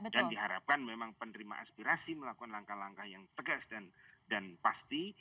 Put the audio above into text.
dan diharapkan memang penerima aspirasi melakukan langkah langkah yang tegas dan pasti